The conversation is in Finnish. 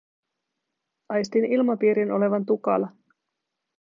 Aistin ilmapiirin olevan tukala.